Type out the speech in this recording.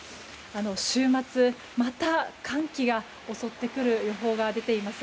週末、また寒気が襲ってくる予報が出ています。